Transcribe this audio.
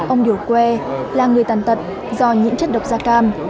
ông điều quê là người tàn tật do nhiễm chất độc da cam